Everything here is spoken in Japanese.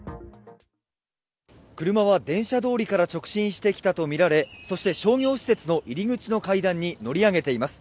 車は電車通りから直進してきたと見られ、そして、商業施設の入り口の階段に乗り上げています。